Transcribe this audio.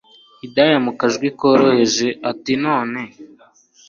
Hidaya mukajwi koroheje atinone